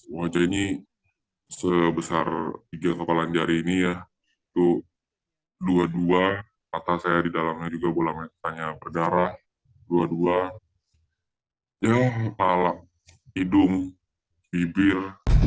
wajah ini sebesar tiga kepalan jari ini ya itu dua dua patah saya di dalamnya juga bola metanya berdarah dua dua hidung bibir